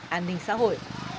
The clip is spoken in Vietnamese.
an ninh xã hội